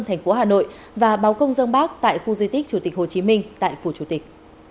thành phố hà nội và báo công dân bác tại khu di tích chủ tịch hồ chí minh tại phủ chủ tịch